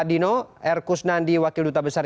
dino r kusnandi wakil duta besar